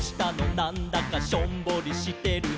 なんだかしょんぼりしてるね」